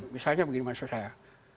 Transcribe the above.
misalnya begini maksud saya